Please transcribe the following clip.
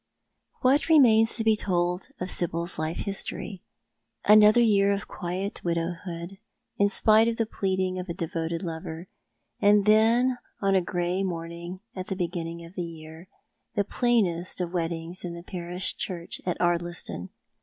What remains to be told of Sibyl's life history ? Another year of quiet widowhood, in spite of the pleading of a devoted lover ; and then, on a grey morning at the beginning of the year, the plainest of weddings in the i^arish church at Ardliston.